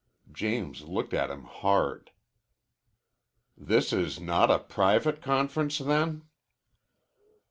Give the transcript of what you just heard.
James looked at him hard. "This is not a private conference, then?"